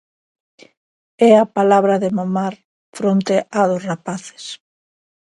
É a palabra de Momar fronte á dos rapaces.